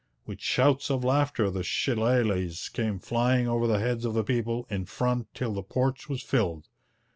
With shouts of laughter the shillelaghs came flying over the heads of the people in front till the porch was filled.